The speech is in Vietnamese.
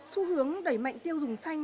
xu hướng đẩy mạnh tiêu dùng xanh